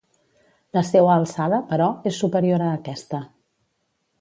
La seua alçada, però, és superior a aquesta.